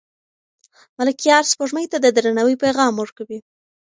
ملکیار سپوږمۍ ته د درناوي پیغام ورکوي.